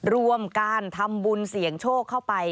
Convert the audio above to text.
รวมการทำบุญเสี่ยงโชคเข้าไป